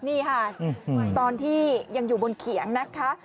นี่ค่ะตอนที่ยังอยู่บนเขียงนะคะ